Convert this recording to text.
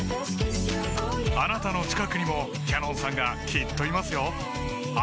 あなたの近くにもＣａｎｏｎさんがきっといますよ